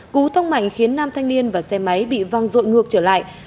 cú thông mạnh khiến năm thanh niên và xe máy bị văng rội ngược trở lại